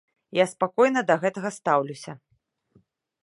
Я спакойна да гэтага стаўлюся.